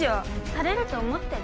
されると思ってる？